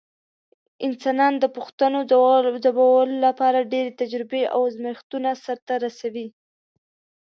انسانان د پوښتنو ځوابولو لپاره ډېرې تجربې او ازمېښتونه سرته رسوي.